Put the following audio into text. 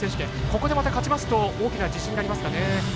ここで勝ちますと大きな自信になりますかね。